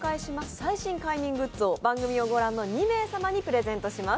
最新快眠グッズを番組を御覧の２名様にプレゼントします。